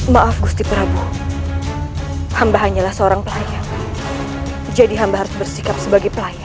maaf mesti prabowo hamba hanyalah seorang pelayan jadi hamba harus bersikap sebagai pelayan